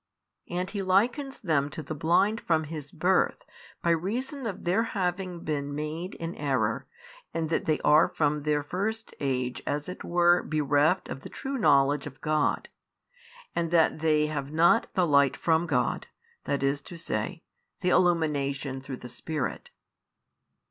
And He likens them to the blind from his birth by reason of their having been made in error and that they are from their first age as it were bereft of the |684 true knowledge of God, and that they Have not the light from God, i. e., the illumination through the Spirit.